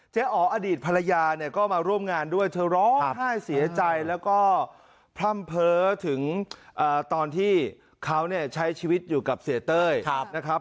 อ๋ออดีตภรรยาเนี่ยก็มาร่วมงานด้วยเธอร้องไห้เสียใจแล้วก็พร่ำเพ้อถึงตอนที่เขาเนี่ยใช้ชีวิตอยู่กับเสียเต้ยนะครับ